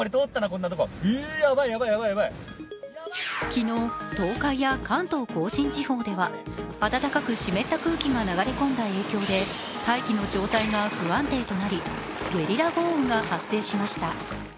昨日、東海や関東甲信地方では暖かく湿った空気が流れ込んだ影響で大気の状態が不安定となりゲリラ豪雨が発生しました。